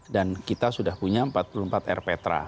dan kita sudah punya empat puluh empat rptra